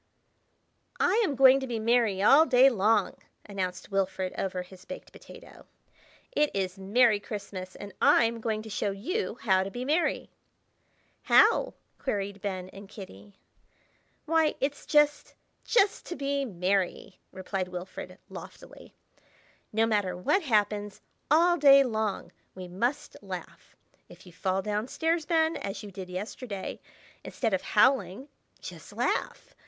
"I AM going to be merry all day long!" announced Wilfrid over his baked potato. "It is Merry Christmas and I'm going to show you how to be merry." "How?" queried Ben and Kitty. "Why, it's just—just to be merry!" replied Wilfrid, loftily. "No matter what happens, all day long, we must laugh. If you fall down stairs, Ben, as you did yesterday, instead of howling, just laugh!